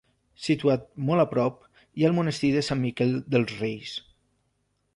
Situat molt a prop hi ha el Monestir de Sant Miquel dels Reis.